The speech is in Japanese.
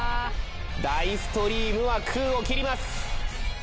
ダイストリームは空を切ります。